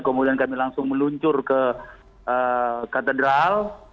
kemudian kami langsung meluncur ke katedral